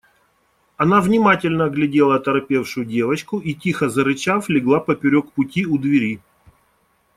Она внимательно оглядела оторопевшую девчонку и, тихо зарычав, легла поперек пути у двери.